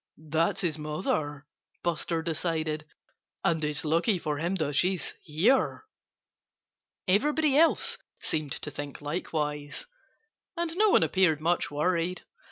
"That's his mother!" Buster decided. "And it's lucky for him that she's here." Everybody else seemed to think likewise. And no one appeared much worried.